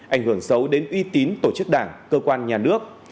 ảnh hưởng xấu đến uy tín tổ chức đảng cơ quan nhà nước